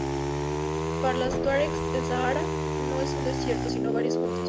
Para los tuaregs, el Sáhara no es un desierto, sino varios juntos.